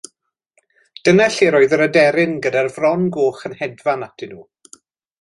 Dyna lle roedd yr aderyn gyda'r fron goch yn hedfan atyn nhw